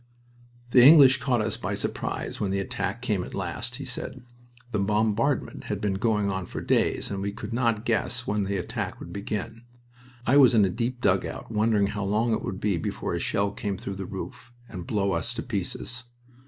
"The English caught us by surprise when the attack came at last," he said. "The bombardment had been going on for days, and we could not guess when the attack would begin. I was in a deep dugout, wondering how long it would be before a shell came through the roof and blow us to pieces.